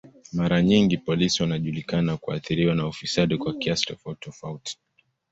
Mara nyingi polisi wanajulikana kuathiriwa na ufisadi kwa kiasi tofauti tofauti.